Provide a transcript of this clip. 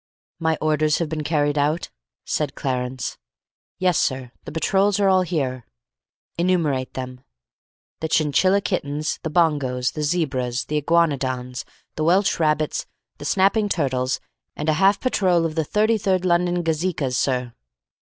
"My orders have been carried out?" said Clarence. "Yes, sir. The patrols are all here." "Enumerate them." "The Chinchilla Kittens, the Bongos, the Zebras, the Iguanodons, the Welsh Rabbits, the Snapping Turtles, and a half patrol of the 33rd London Gazekas, sir."